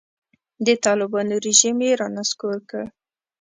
د طالبانو رژیم یې رانسکور کړ.